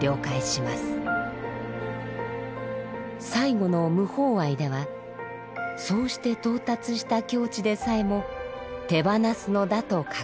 最後の「無法愛」ではそうして到達した境地でさえも手放すのだと確認します。